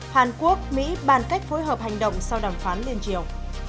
hàn quốc mỹ bàn cách phối hợp hành động sau đàm phán liên triều